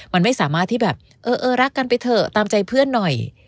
มันไม่สามารถที่แบบเออเออรักกันไปเถอะตามใจเพื่อนหน่อย